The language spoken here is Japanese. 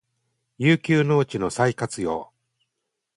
遊休農地の再活用